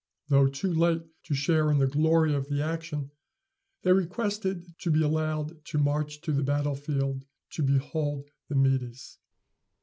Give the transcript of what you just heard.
Though too late to share in the glory of the action, they requested to be allowed to march to the battle field to behold the Medes.